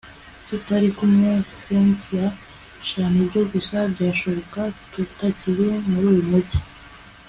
tutari kumwe!? cyntia sha, nibyo gusa byashoboka tutakiri muruyu mugi